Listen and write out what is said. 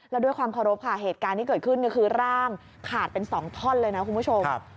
แล้วด้วยความเคารพค่ะเหตุการณ์ที่เกิดขึ้นคือร่างขาดเป็น๒ท่อนเลยนะคุณผู้ชม